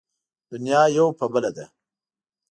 دنيا يو په بله ده.